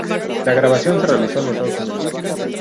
La grabación se realizó en Estados Unidos.